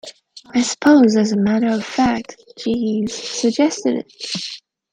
I suppose, as a matter of fact, Jeeves suggested it.